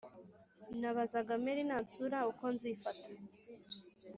nibazaga mary nansura uko nzifata,